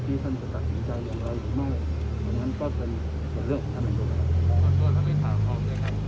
ที่ท่านจะตัดสินใจยังไงอยู่ไหม